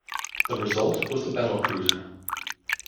The result was the battlecruiser.